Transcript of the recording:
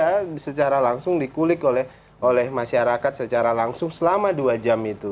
jadi bersedia secara langsung dikulik oleh masyarakat secara langsung selama dua jam itu